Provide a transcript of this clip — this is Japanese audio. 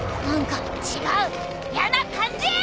何か違うやな感じ！